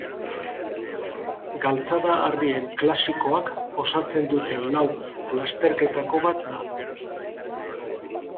Galtzada-harrien klasikoak osatzen duten lau lasterketako bat da.